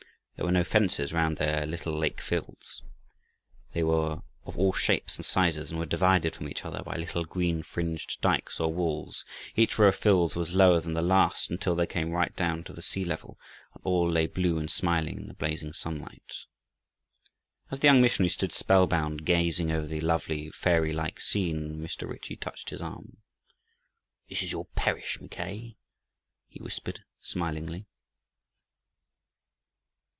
There were no fences round their little lake fields. They were of all shapes and sizes, and were divided from each other by little green fringed dykes or walls. Each row of fields was lower than the last until they came right down to the sea level, and all lay blue and smiling in the blazing sunlight. As the young missionary stood spellbound, gazing over the lovely, fairylike scene, Mr. Ritchie touched his arm. "This is your parish, Mackay," he whispered smilingly.